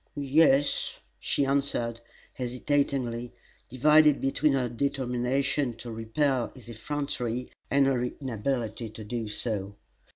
"Ye es," she answered, hesitatingly, divided between her determination to repel his effrontery and her inability to do so.